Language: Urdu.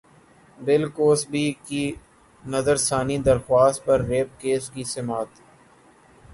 بل کوسبی کی نظرثانی درخواست پر ریپ کیس کی سماعت